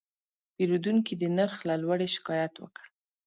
پیرودونکی د نرخ له لوړې شکایت وکړ.